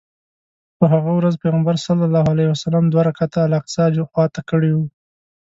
په هغه ورځ پیغمبر صلی الله علیه وسلم دوه رکعته الاقصی خواته کړی و.